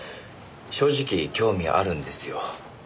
正直興味あるんですよ。